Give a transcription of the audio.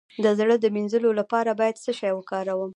د زړه د مینځلو لپاره باید څه شی وکاروم؟